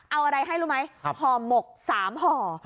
เอาอะไรให้รู้ไหมห่อหมก๓ห่อ